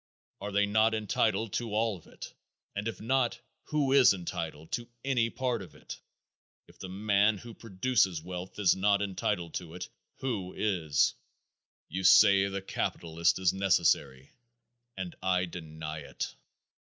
Are they not entitled to all of it? And if not, who is entitled to any part of it? If the man who produces wealth is not entitled to it, who is? You say the capitalist is necessary and I deny it.